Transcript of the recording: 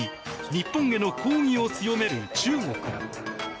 日本への抗議を強める中国。